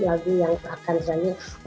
lagu yang akan selanjutnya